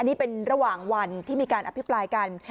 นี่เป็นระหว่างวันที่มีการอภิปรายกัน